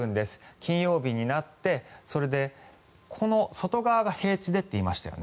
金曜日になってそれでこの外側が平地でと言いましたよね。